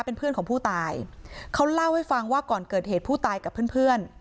เป็นเพื่อนของผู้ตายเขาเล่าให้ฟังว่าก่อนเกิดเหตุผู้ตายกับเพื่อนเพื่อน